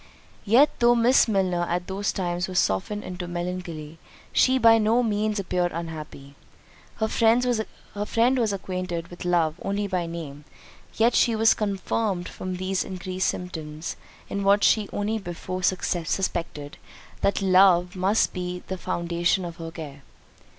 Yet though Miss Milner at those times was softened into melancholy, she by no means appeared unhappy. Her friend was acquainted with love only by name; yet she was confirmed from these increased symptoms, in what she before only suspected, that love must be the foundation of her care.